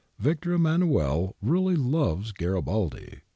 Victor Emmanuel really loves Garibaldi.'